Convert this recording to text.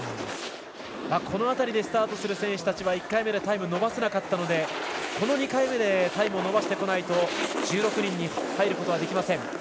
この辺りでスタートする選手たちは１回目でタイムを伸ばせなかったのでこの２回目でタイムを伸ばしてこないと１６人に入ることはできません。